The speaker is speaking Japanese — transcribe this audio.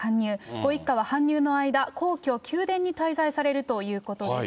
ご一家は搬入の間、皇居・宮殿に滞在されるということです。